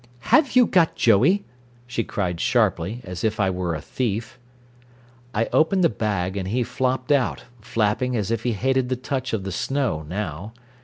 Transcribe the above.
"Have you got Joey?" she cried sharply, as if I were a thief. I opened the bag, and he flopped out, flapping as if he hated the touch of the snow, now.